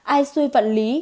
ai xuê vạn lý